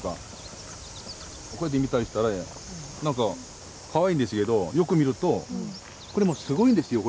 こうやって見たりしたらなんかかわいいんですけどよく見るとこれもすごいんですよ。